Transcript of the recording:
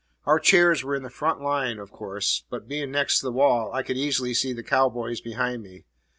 Our chairs were in the front line, of course; but, being next the wall, I could easily see the cow boys behind me.